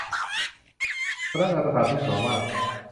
พนักงานสถานฑูต ขาวมาก